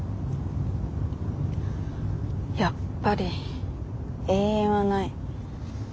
やっぱり永遠はない。